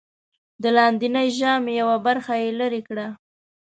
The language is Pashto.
د لاندېنۍ ژامې یوه برخه یې لرې کړه.